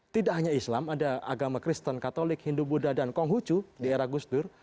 tidak hanya islam ada agama kristen katolik hindu buddha dan konghucu di era gusdur